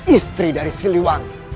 istri dari siliwangi